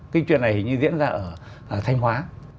cái chuyện này hình như diễn ra ở thanh hóa